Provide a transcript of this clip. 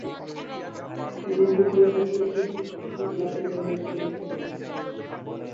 তিনি পূর্বে Manchester City football club দলের হয়ে খেলেছেন।